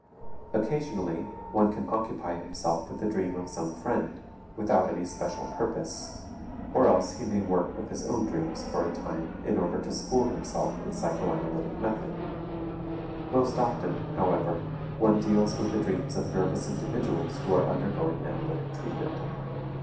Occasionally one can occupy himself with the dream of some friend, without any special purpose, or else he may work with his own dreams for a time in order to school himself in psychoanalytic method; most often, however, one deals with the dreams of nervous individuals who are undergoing analytic treatment.